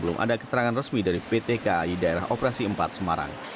belum ada keterangan resmi dari pt kai daerah operasi empat semarang